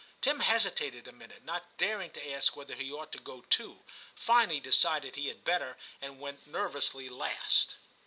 Tim hesitated a minute, not daring to ask whether he ought to go too, finally decided he had better, and went nervously last.